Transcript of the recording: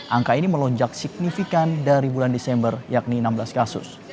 angka ini melonjak signifikan dari bulan desember yakni enam belas kasus